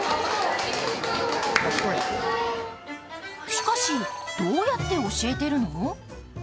しかし、どうやって教えてるの？